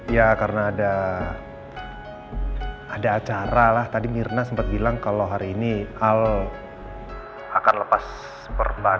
ya karena ada acara lah tadi mirna sempat bilang kalau hari ini al akan lepas perbankan